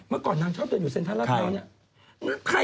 เมื่อก่อนนางชอบเดินอยู่เซ็นทรัลละไทย